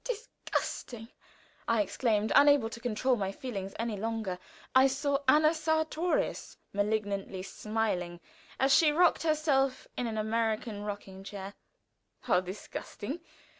"Disgusting!" I exclaimed, unable to control my feelings any longer. I saw Anna Sartorius malignantly smiling as she rocked herself in an American rocking chair. "How! disgusting?